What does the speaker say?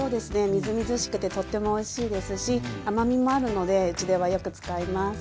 みずみずしくてとってもおいしいですし甘みもあるのでうちではよく使います。